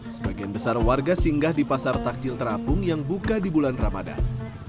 sebagian besar warga singgah di pasar takjil terapung yang buka di bulan ramadan